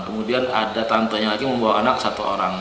kemudian ada tantenya lagi membawa anak satu orang